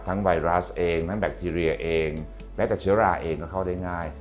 ไวรัสเองทั้งแบคทีเรียเองแม้แต่เชื้อราเองก็เข้าได้ง่าย